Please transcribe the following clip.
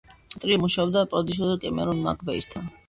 ტრიო მუშაობდა პროდიუსერ კემერონ მაკ ვეისთან.